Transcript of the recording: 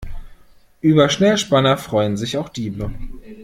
Über Schnellspanner freuen sich auch Diebe.